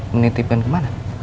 menitipkan ke mana